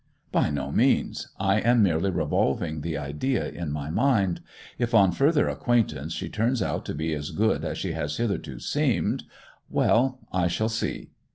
'By no means. I am merely revolving the idea in my mind. If on further acquaintance she turns out to be as good as she has hitherto seemed—well, I shall see.